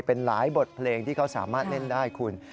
เป็นหลายบทเพลงที่เขาสามารถเล่นได้คุณ